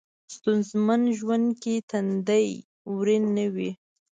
ستونځمن ژوند کې تندی ورین نه وي.